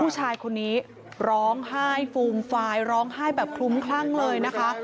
ผู้ชายคนนี้ร้องไห้ฟูมฟายร้องไห้แบบคลุ้มคลั่งเลยนะคะ